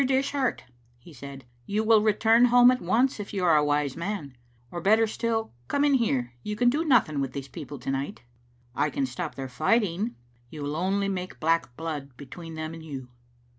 Dishart," he said, "you will return home at once if you are a wise man; or, better still, come in here. You can do nothing with these people to night." " I can stop their fighting." " You will only make black blood between them and you.